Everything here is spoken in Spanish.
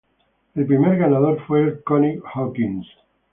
El primer ganador fue el Connie Hawkins.